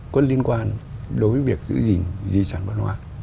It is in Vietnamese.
có liên quan đối với việc giữ gìn di sản văn hóa